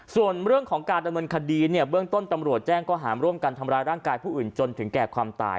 ส่วนเรื่องของการดำเนินคดีเนี่ยเบื้องต้นตำรวจแจ้งข้อหามร่วมกันทำร้ายร่างกายผู้อื่นจนถึงแก่ความตาย